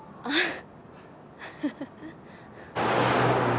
ああ。